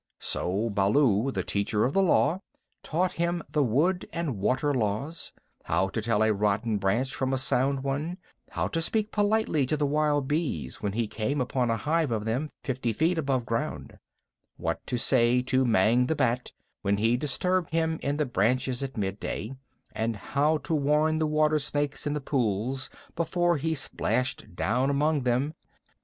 So Baloo, the Teacher of the Law, taught him the Wood and Water Laws: how to tell a rotten branch from a sound one; how to speak politely to the wild bees when he came upon a hive of them fifty feet above ground; what to say to Mang the Bat when he disturbed him in the branches at midday; and how to warn the water snakes in the pools before he splashed down among them.